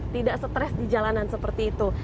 tidak stres di jalanan seperti itu